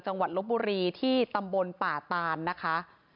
ลบบุรีที่ตำบลป่าตานนะคะ